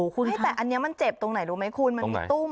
คุณไม่แต่อันนี้มันเจ็บตรงไหนรู้ไหมคุณมันมีตุ้ม